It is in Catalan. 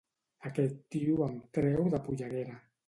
Aquest tio em treu de polleguera